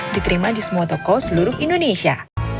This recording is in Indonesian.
diterima di semua toko seluruh indonesia